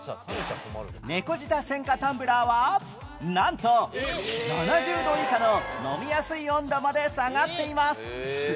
猫舌専科タンブラーはなんと７０度以下の飲みやすい温度まで下がっています